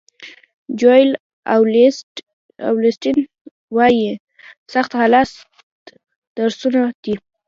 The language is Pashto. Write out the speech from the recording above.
جویل اولیسټن وایي سخت حالات درسونه دي.